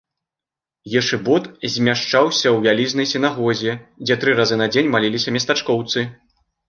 Ешыбот змяшчаўся ў вялізнай сінагозе, дзе тры разы на дзень маліліся местачкоўцы.